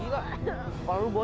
gila kepala lu bocor